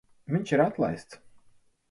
Viņš ir atlaists.